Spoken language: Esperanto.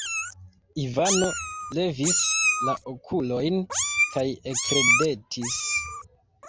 Ivano levis la okulojn kaj ekridetis.